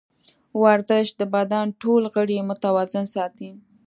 ورزش د بدن ټول غړي متوازن ساتي.